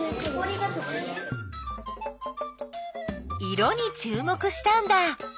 色にちゅう目したんだ！